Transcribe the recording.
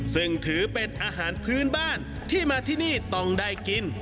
ซึ่งถือเป็นอาหารพื้นบ้านที่มาที่นี่ต้องได้กิน